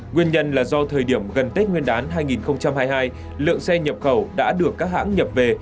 nguyên nhân là do thời điểm gần tết nguyên đán hai nghìn hai mươi hai lượng xe nhập khẩu đã được các hãng nhập về